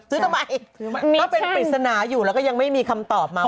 ก็เป็นพิศนาอยู่แล้วก็ยังไม่มีคำตอบมา